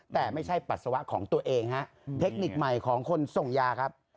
แต่ไม่ใช่ปัสสาวะของตัวเองฮะเทคนิคใหม่ของคนส่งยาครับ